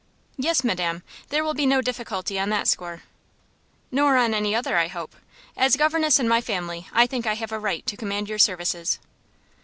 "Yes, madam, there will be no difficulty on that score." "Nor on any other, I hope. As governess in my family, I think I have a right to command your services."